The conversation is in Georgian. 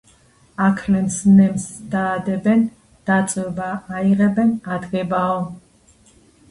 აქლემს ნემსს დაადებენ დაწვება, აიღებენ ადგებაო